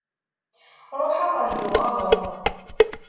Ruḥ, awer d-tuɣaleḍ!